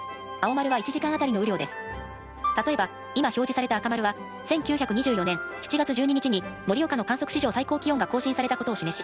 例えば今表示された赤丸は１９２４年７月１２日に盛岡の観測史上最高気温が更新されたことを示し